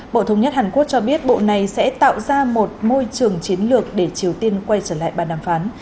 bộ thống nhất hàn quốc cho biết bộ này sẽ tạo ra một môi trường chiến lược để triều tiên quay trở lại bàn đàm phán